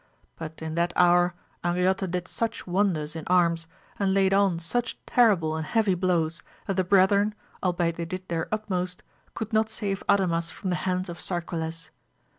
But in that hour Angriote did such wonders in arms, and laid on such terrible and heavy blows that the brethren, albeit they did their utmost, could not save Adamas from the hands of Sarquiles.